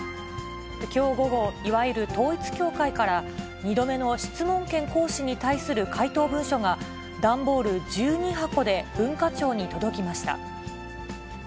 きょう午後、いわゆる統一教会から、２度目の質問権行使に対する回答文書が、段ボール１２箱で文化庁に届きました。